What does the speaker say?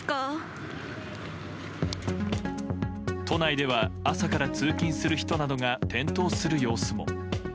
都内では朝から通勤する人などが転倒する様子も。